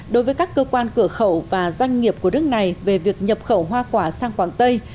đối với các cơ quan cửa khẩu và doanh nghiệp của nước này về việc nhập khẩu hoa quả sang quảng tây